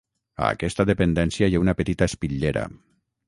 A aquesta dependència hi ha una petita espitllera.